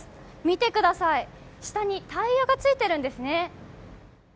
見てください、下にタイヤがついているんですね。